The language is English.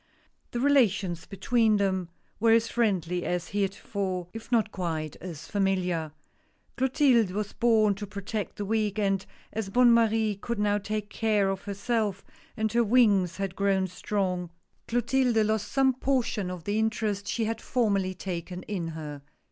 The relations between them were as friendly as heretofore, if not quite as familiar. Clotilde was born to protect the weak, and as Bonne Marie could now take care of herself and her wings had grown strong, Clotilde had 124 THE PORTRAIT. lost some portion of the interest she had formerly taken in her.